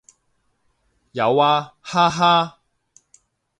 有啊，哈哈